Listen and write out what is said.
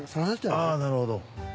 ああなるほど。